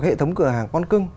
hệ thống cửa hàng con cưng